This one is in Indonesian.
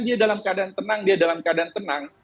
dia dalam keadaan tenang dia dalam keadaan tenang